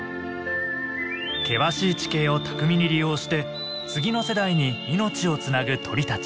険しい地形を巧みに利用して次の世代に命をつなぐ鳥たち。